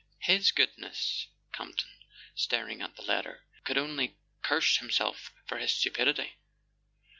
His goodness! Campton, staring at the letter, could only curse himself for his stupidity.